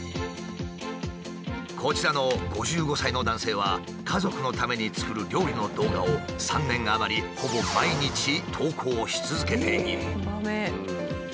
こちらの５５歳の男性は家族のために作る料理の動画を３年余りほぼ毎日投稿し続けている。